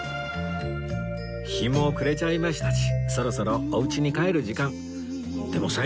日も暮れちゃいましたしそろそろおうちに帰る時間